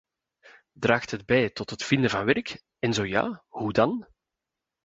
Draagt het bij tot het vinden van werk, en zo ja, hoe dan?